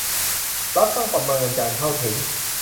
รัฐต้องประเมินการเข้าถึง